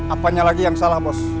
apanya lagi yang salah bos